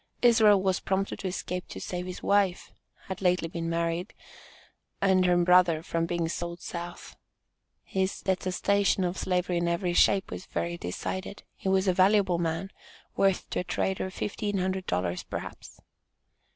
Israel was prompted to escape to save his wife, (had lately been married) and her brother from being sold south. His detestation of slavery in every shape was very decided. He was a valuable man, worth to a trader fifteen hundred dollars, perhaps.